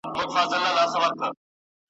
هی کوه یې لکه ډلي د اوزگړو `